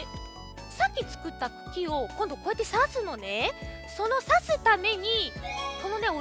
さっきつくったくきをこんどこうやってさすのね。